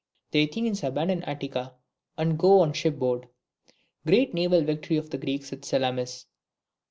The Athenians abandon Attica and go on shipboard. Great naval victory of the Greeks at Salamis.